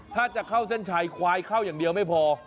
ถ้าจะเข้าเส้นชัยควายเข้าอย่างเดียวไม่พอ